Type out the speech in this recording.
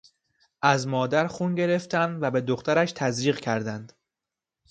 از مادر خون گرفتند و به دخترش تزریق کردند.